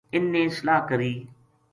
اِنھ نے صلاح کری